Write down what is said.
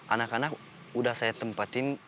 anak anak udah saya tempatin